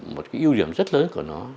một cái ưu điểm rất lớn của nó